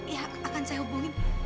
ya akan saya hubungi